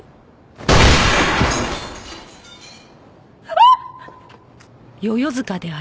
あっ！